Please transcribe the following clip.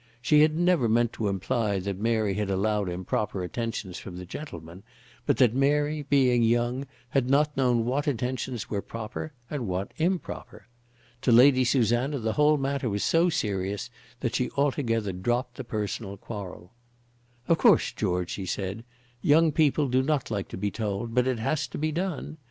She never had meant to imply that Mary had allowed improper attentions from the gentleman, but that Mary, being young, had not known what attentions were proper and what improper. To Lady Susanna the whole matter was so serious that she altogether dropped the personal quarrel. "Of course, George," she said, "young people do not like to be told; but it has to be done.